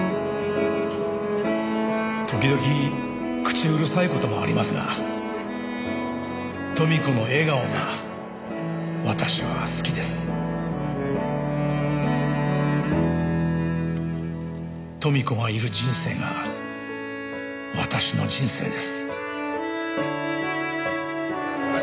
「時々口うるさい事もありますが豊美子の笑顔が私は好きです」「豊美子がいる人生が私の人生です」